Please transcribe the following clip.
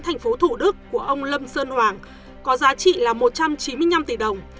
thành phố thủ đức của ông lâm sơn hoàng có giá trị là một trăm chín mươi năm tỷ đồng